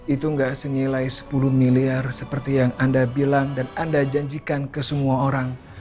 itu nggak senilai sepuluh miliar seperti yang anda bilang dan anda janjikan ke semua orang